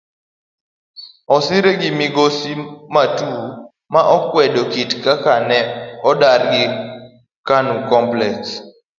Osire gi migosi Matuu ma okwedo kit kaka ne odargi kanu complex.